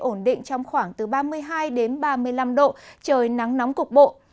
ổn định trong khoảng từ ba mươi hai đến ba mươi năm độ trời nắng nóng cục bộ